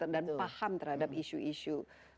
dan paham terhadap isu isu